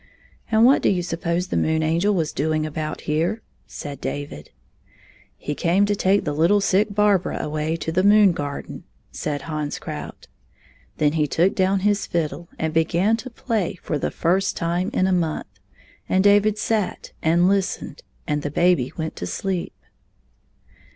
"And what do you suppose the Moon Angel was doing about here ?" said David. " He came to take the little sick Barbara away to the moon garden," said Hans Krout. Then he took down his fiddle and began to play for the 37 first time in a month, and David sat and listened, and the baby went to sleep.